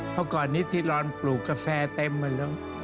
เพราะก่อนนี้ที่รอนปลูกกาแฟเต็มมาแล้ว